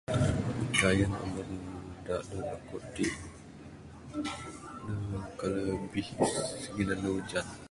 [unintelligible] Gayun ambun dak duh dak kuk tik, uhh color bihis ngin andu ujan.